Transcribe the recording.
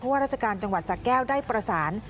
ว่าราชการจังหวัดสะแก้วได้ประสาน